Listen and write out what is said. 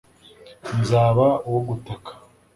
nzaba uwo gutaka